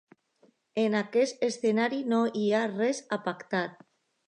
En aquest escenari no hi ha res a pactar.